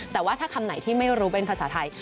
แต่ว่าถ้าคำไหนที่ไม่รู้เป็นภาษาไทย